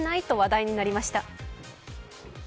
と話題となりました。